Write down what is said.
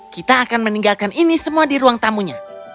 kita akan meninggalkan ini semua di ruang tamunya